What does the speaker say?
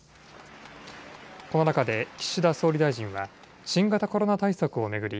この中で岸田総理大臣は新型コロナ対策を巡り